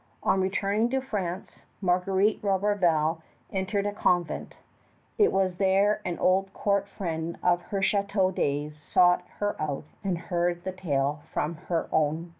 On returning to France, Marguerite Roberval entered a convent. It was there an old court friend of her château days sought her out and heard the tale from her own lips.